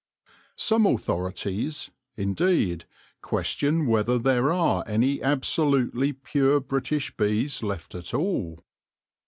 Some authorities, indeed, question whether there are any absolutely pure British bees left at all.